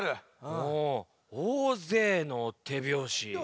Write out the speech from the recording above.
ほうおおぜいのてびょうし。